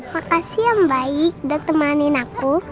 makasih om baik udah temenin aku